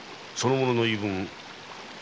その者の言い分